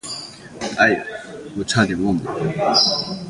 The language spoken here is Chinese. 哎呀，我差点忘了。